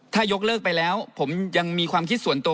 ถ้ายกเลิกไปแล้วผมยังมีความคิดส่วนตัว